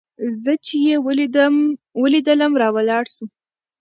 زه چې يې وليدلم راولاړ سو.